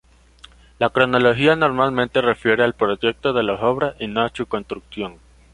La cronología normalmente refiere al proyecto de las obras y no a su construcción.